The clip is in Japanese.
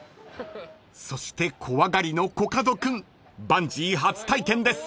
［そして怖がりのコカド君バンジー初体験です］